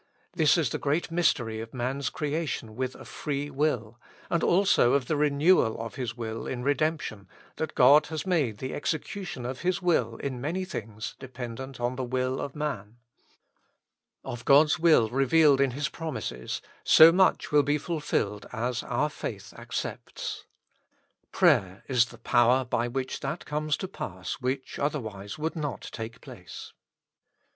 This is the great mystery of man's creation with a free will, and also of the renewal of His will in redemption, that God has made the execution of His will, in many things, dependent on the will of man. Of God's will revealed in His promises, so much will be fulfilled as i6 241 With Christ in the School of Prayer. our faith accepts. Prayer is the power by which that comes to pass which otherwise would not take place.